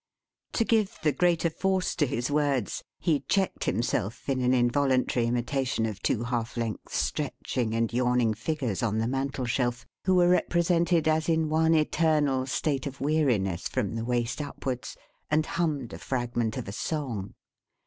To give the greater force to his words, he checked himself in an involuntary imitation of two half length stretching and yawning figures on the mantel shelf, who were represented as in one eternal state of weariness from the waist upwards; and hummed a fragment of a song.